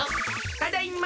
ただいま。